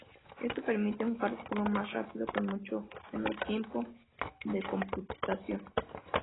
Esto permite un cálculo más rápido con mucho menor tiempo de computación.